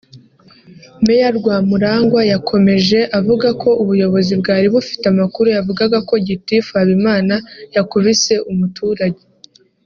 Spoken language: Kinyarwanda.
Meya Rwamurangwa yakomeje avuga ko ubuyobozi bwari bufite amakuru yavugaga ko Gitifu Habimana yakubise umuturage